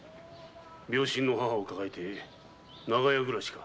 病身の母を抱えて長屋暮らしか？